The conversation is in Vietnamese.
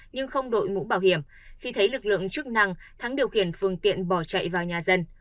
nhưng không đội mũ bảo hiểm khi thấy lực lượng chức năng thắng điều khiển phương tiện bỏ chạy vào nhà dân